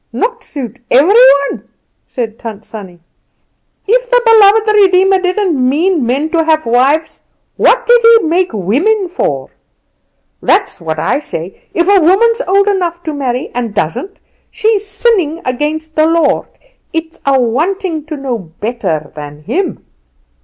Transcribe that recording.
"Not suit every one!" said Tant Sannie. "If the beloved Redeemer didn't mean men to have wives what did He make women for? That's what I say. If a woman's old enough to marry, and doesn't, she's sinning against the Lord it's a wanting to know better than Him.